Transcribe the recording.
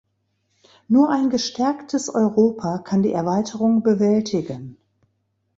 Nur ein gestärktes Europa kann die Erweiterung bewältigen.